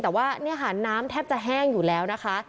แต่ว่าเนี่ยค่ะน้ำแทบจะแห้งอยู่แล้วนะคะ